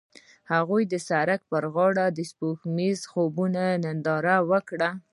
هغوی د سړک پر غاړه د سپوږمیز خوب ننداره وکړه.